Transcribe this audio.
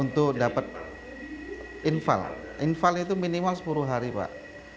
untuk dapat infal infal itu minimal sepuluh hari pak